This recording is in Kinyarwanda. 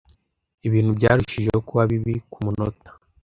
Ibintu byarushijeho kuba bibi ku munota.